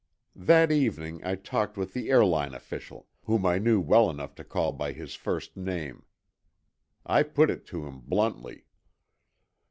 That evening I talked with the airline official, whom I knew well enough to call by his first name. I put it to him bluntly.